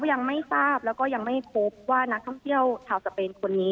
ยังไม่ทราบแล้วก็ยังไม่พบว่านักท่องเที่ยวชาวสเปนคนนี้